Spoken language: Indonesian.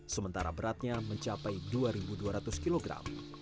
sementara beratnya mencapai dua dua ratus kilogram